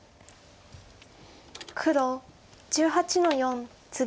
黒１８の四ツギ。